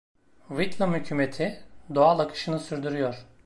Whitlam Hükümeti, doğal akışını sürdürüyor.